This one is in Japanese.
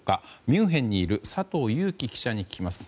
ミュンヘンにいる佐藤裕樹記者に聞きます。